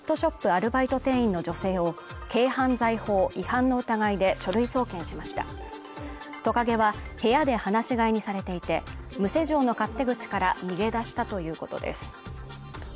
アルバイト店員の女性を軽犯罪法違反の疑いで書類送検しましたトカゲは部屋で放し飼いにされていて無施錠の勝手口から逃げ出したということです